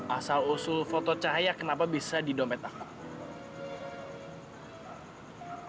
asal usul foto cahaya kenapa bisa di dompet apa